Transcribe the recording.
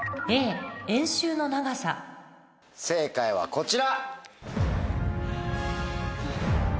正解はこちら。